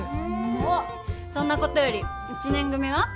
そんなことより１年組は？